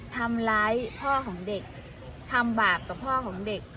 ทำร้ายพ่อของเด็กทำบาปกับพ่อของเด็ก